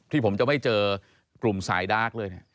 ที่ผมจะไม่เจอกลุ่มสายดาร์กเลยเนี่ย